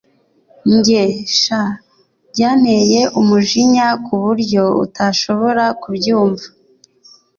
Njye sha byanteye umujinya kuburyo utashobora kubyumva